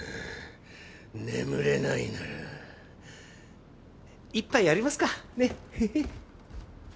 眠れないなら１杯やりますか？ねヘヘ。